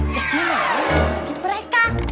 jadi mau bikin mereka